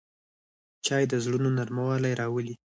چای د زړونو نرموالی راولي